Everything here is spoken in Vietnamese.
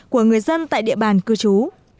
của người dân tại địa bàn cư trú